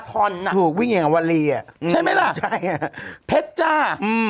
เพชรจ้า